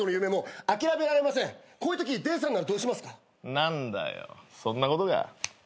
何だよそんなことか。